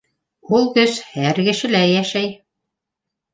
Ул көс һәр кешелә йәшәй.